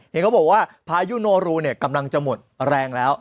เห็นเขาบอกว่าพายุโนรูกำลังจะหมดแรงแล้ว